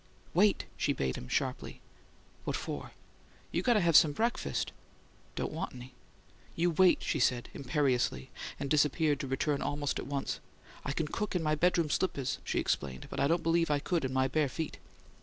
"Wait!" she bade him sharply. "What for?" "You've got to have some breakfast." "Don't want 'ny." "You wait!" she said, imperiously, and disappeared to return almost at once. "I can cook in my bedroom slippers," she explained, "but I don't believe I could in my bare feet!"